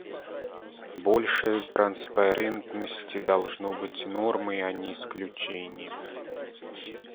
Больше транспарентности должно быть нормой, а не исключением.